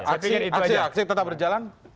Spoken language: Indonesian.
aksi aksi tetap berjalan